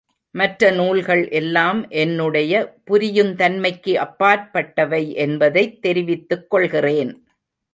மற்ற நூல்கள் எல்லாம் என்னுடைய புரியுந்தன்மைக்கு அப்பாற்பட்டவை என்பதைத் தெரிவித்துக் கொள்கிறேன்.